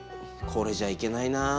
これじゃ行けないなあ。